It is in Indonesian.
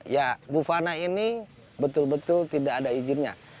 ya bufana ini betul betul tidak ada izinnya